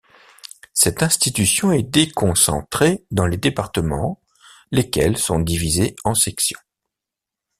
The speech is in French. Cette institution est déconcentrée dans les départements, lesquels sont divisés en sections.